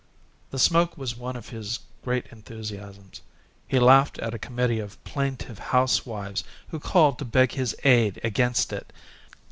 The smoke was one of his great enthusiasms; he laughed at a committee of plaintive housewives who called to beg his aid against it.